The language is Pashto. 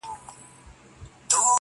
شراب مسجد کي، ميکده کي عبادت کومه~